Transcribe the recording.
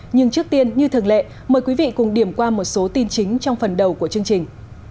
nhưng trước tiên như thường lệ mời quý vị cùng điểm qua một số tin chính trong phần đầu của chương trình